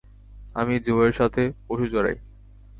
আমি জো এর সাথে পশু চড়াই।